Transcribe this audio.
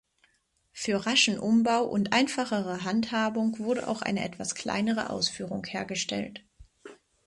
Für raschen Umbau und einfachere Handhabung wurde auch eine etwas kleinere Ausführung hergestellt.